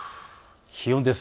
気温です。